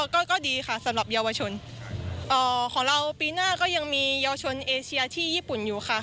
ก็ดีค่ะสำหรับเยาวชนของเราปีหน้าก็ยังมีเยาวชนเอเชียที่ญี่ปุ่นอยู่ค่ะ